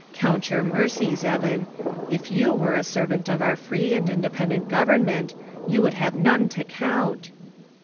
Count your mercies, Eben ; if you were a servant of our free and independent Gov ernment, you would have none to count."